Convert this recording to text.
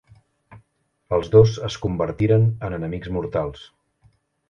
Els dos es convertiren en enemics mortals.